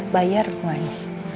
bayar rumah ini